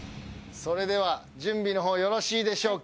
それでは準備の方よろしいでしょうか？